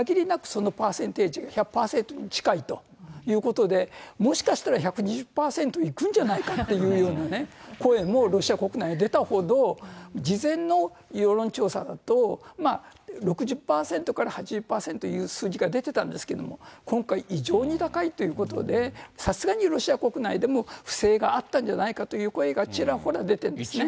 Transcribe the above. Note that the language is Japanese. そのパーセンテージが１００％に近いということで、もしかしたら１２０％いくんじゃないかっていうようなね、声もロシア国内、出たほど、事前の世論調査だと、６０％から８０％という数字が出てたんですけれども、今回、異常に高いっていうことで、さすがにロシア国内でも、不正があったんじゃないかという声がちらほら出てるんですね。